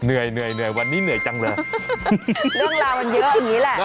อุ๊ยเนื่อยวันนี้เหนื่อยจังเลย